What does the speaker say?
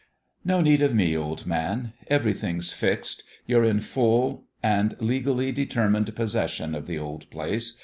" No need of me, old man. Everything's fixed. You're in full and legally determined 332 IN HIS OWN BEHALF possession of the old place.